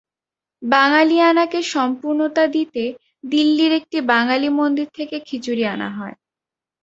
বাঙালিয়ানাকে সম্পুর্ণতা দিতে দিল্লির একটি বাঙালি মন্দির থেকে খিচুড়ি আনা হয়।